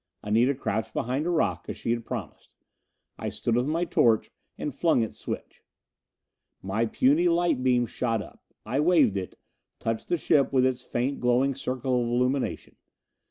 Anita crouched behind a rock, as she had promised. I stood with my torch, and flung its switch. My puny light beam shot up. I waved it, touched the ship with its faint glowing circle of illumination.